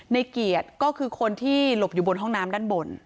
ในเกียรติก็คือคนที่หลบอยู่บนห้องน้ำด้านบน